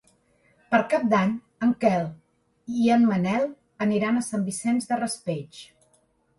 Per Cap d'Any en Quel i en Manel aniran a Sant Vicent del Raspeig.